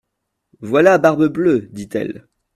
Voilà Barbe-Bleue, dit-elle.